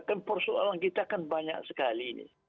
kan persoalan kita kan banyak sekali ini